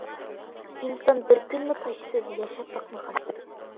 ئىنسان بىر كۈنمۇ تاشسىز ياشاپ باقمىغان.